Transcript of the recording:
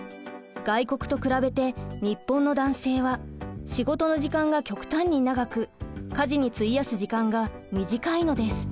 外国と比べて日本の男性は仕事の時間が極端に長く家事に費やす時間が短いのです。